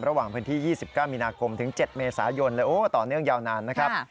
ระหว่างพื้นที่๒๙มีนาคมถึง๗เมษายนเลยโอ้ต่อเนื่องยาวนานนะครับ